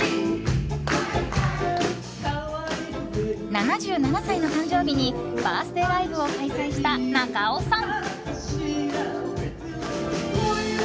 ７７歳の誕生日にバースデーライブを開催した中尾さん。